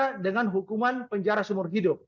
pidana dengan hukuman penjara seumur hidup